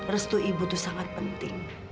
restu ibu itu sangat penting